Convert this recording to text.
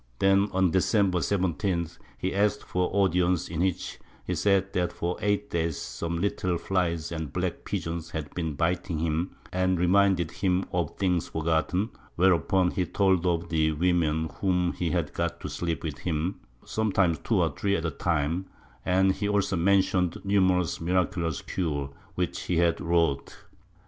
Then on December 17th he asked for an audience in which he said that for eight days some Httle flies and black pigeons had been biting him and remind ing him of things forgotten, whereupon he told of the women whom he had got to sleep with him, sometimes two or three at a time, and he also mentioned numerous miraculous cures which he had wrought.